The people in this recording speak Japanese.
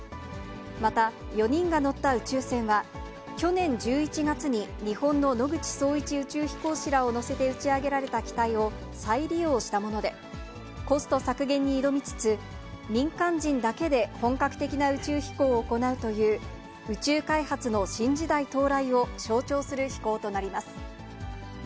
また、４人が乗った宇宙船は、去年１１月に日本の野口聡一宇宙飛行士らを乗せて打ち上げられた機体を再利用したもので、コスト削減に挑みつつ、民間人だけで本格的な宇宙飛行を行うという、宇宙開発の新時代到来を象徴する飛行となります。